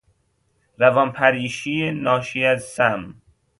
روان پریشی ناشی ازسم